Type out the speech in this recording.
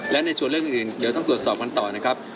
และในส่วนเรื่องอื่นเดี๋ยวต้องตรวจสอบกันต่อนะครับ